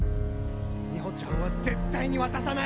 みほちゃんは絶対に渡さない！